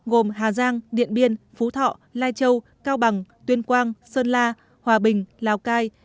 gồm hà giang điện biên phú thọ lai châu cao bằng tuyên quang sơn la hòa bình lào cai